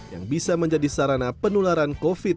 yang bisa menjadi sarana penularan covid sembilan belas